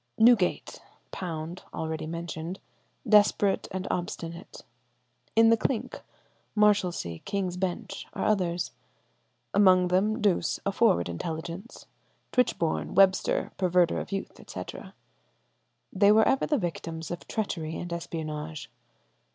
"Newgate—Pound (already mentioned), desperate and obstinate; ... in the Clink, Marshalsea, King's Bench, are others; among them Douce, a forward intelligence, Tichborne, Webster, perverter of youth," etc. They were ever the victims of treachery and espionage.